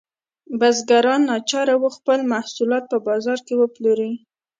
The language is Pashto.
بزګران ناچاره وو خپل محصولات په بازار کې وپلوري.